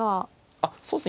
あっそうですね